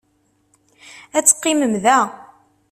Ad teqqimem da.